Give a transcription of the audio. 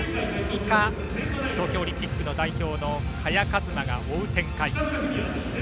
以下、東京オリンピックの代表の萱和磨が追う展開。